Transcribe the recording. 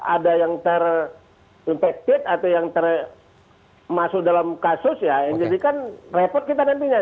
ada yang terinfektif atau yang termasuk dalam kasus ya jadi kan repot kita nantinya